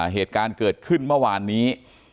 เหตุการณ์เกิดขึ้นเมื่อวานนี้